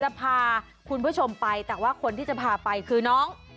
จะพาคุณผู้ชมไปแต่ว่าคนที่จะพาไปคือน้อง